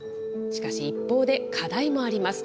しかし、一方で、課題もあります。